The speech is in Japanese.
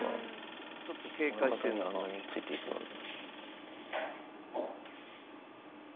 親方にはあんなについていくのに。